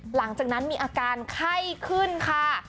หลังจากนั้นมีอาการไข้ขึ้นค่ะ